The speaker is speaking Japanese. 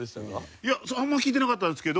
いやあんまり聞いてなかったんですけど。